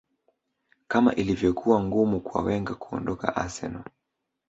kama ilivyokuwa ngumu kwa wenger kuondoka arsenal